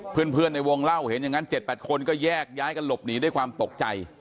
เพื่อนในวงเล่าเห็นอย่างนั้น๗๘คนก็แยกย้ายกันหลบหนีด้วยความตกใจ